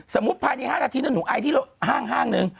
สมมุติภายใน๕นาทีถ้าหนูไอที่ห้างนึง